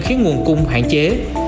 khiến nguồn cung hạn chế